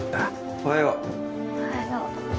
おはよう